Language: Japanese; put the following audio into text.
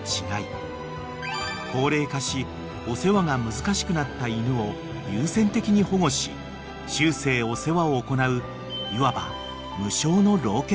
高齢化しお世話が難しくなった犬を優先的に保護し終生お世話を行ういわば］